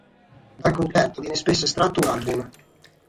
Dal concerto viene spesso estratto un album.